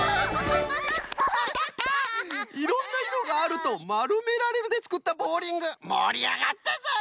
すごい！「いろんないろがある」と「まるめられる」でつくったボウリングもりあがったぞい！